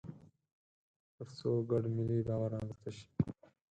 تر څو ګډ ملي باور رامنځته شي.